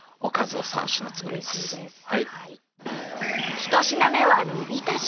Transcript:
１品目は煮びたし